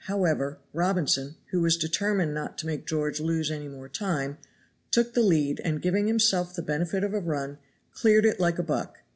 However, Robinson, who was determined not to make George lose any more time, took the lead and giving himself the benefit of a run, cleared it like a buck.